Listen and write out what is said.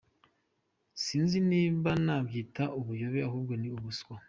Sinzi niba nabyita ubuyobe ahubwo ni ubuswa”.